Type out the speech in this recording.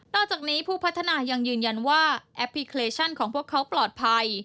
จากนี้ผู้พัฒนายังยืนยันว่าแอปพลิเคชันของพวกเขาปลอดภัย